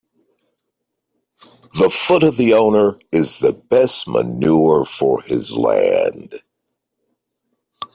The foot of the owner is the best manure for his land.